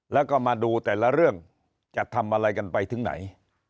แล้วก็มาดูแต่ละเรื่องจะทำอะไรกันไปถึงไหน